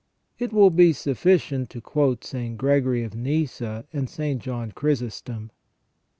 It will be sufficient to quote St. Gregory of Nyssa and St. John Chrysostom.